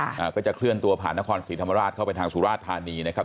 อ่าก็จะเคลื่อนตัวผ่านนครศรีธรรมราชเข้าไปทางสุราชธานีนะครับ